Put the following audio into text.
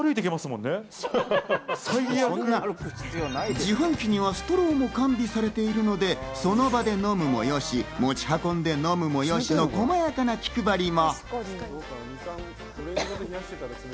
自販機にはストローも完備されているので、その場で飲むのもよし、持ち運んで飲むのもよしの細やかな気配りも。